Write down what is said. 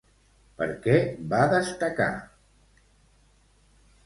Per què va destacar?